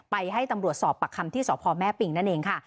ให้ตำรวจสอบปากคำที่สพแม่ปิงนั่นเองค่ะ